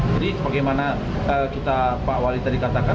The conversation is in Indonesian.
jadi bagaimana pak wali tadi katakan